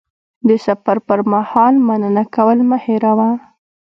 د سفر پر مهال مننه کول مه هېروه.